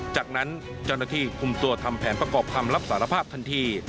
จากนั้นเจ้าหน้าที่คุมตัวทำแผนประกอบคำรับสารภาพทันที